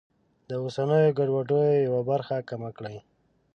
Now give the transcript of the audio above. د اوسنیو ګډوډیو یوه برخه کمه کړي.